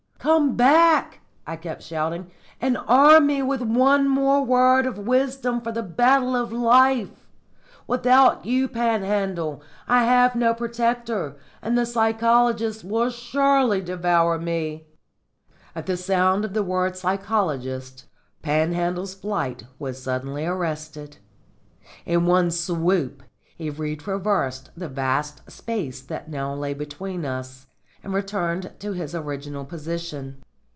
"Come back," I kept shouting, "and arm me with one more word of wisdom for the battle of life! Without you, Panhandle, I have no protector, and the psychologists will surely devour me." At the sound of the word "psychologists" Panhandle's flight was suddenly arrested. In one swoop he retraversed the vast space that now lay between us, and returned to his original position.